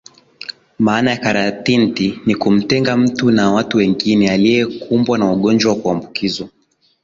Maana ya karatinti ni kumtenga mtu na watu wengine aliyekumbana na ugonjwa wa kuambukizwa